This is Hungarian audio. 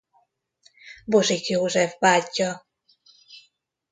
Bozsik József bátyja.